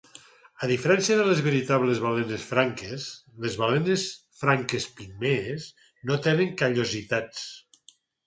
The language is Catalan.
A diferència de les veritables balenes franques, les balenes franques pigmees no tenen callositats.